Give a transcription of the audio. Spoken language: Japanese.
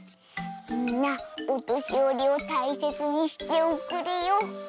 みんなおとしよりをたいせつにしておくれよ。